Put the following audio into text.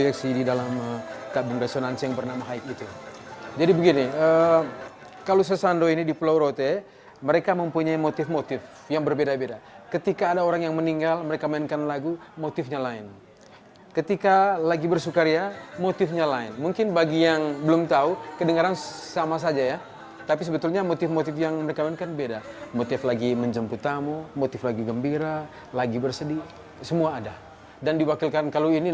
kesetiaan yang dirawat sebagaimana yang dilakukan jeremias paah dan herman adelof leru